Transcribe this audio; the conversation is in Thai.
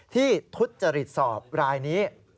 ที่ทุดจริตสอบรายนี้